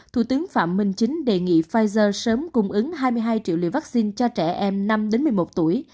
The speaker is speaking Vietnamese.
thủ tướng phạm minh chính đề nghị pfizer sớm cung ứng hai mươi hai triệu liều vaccine cho trẻ em năm một mươi một tuổi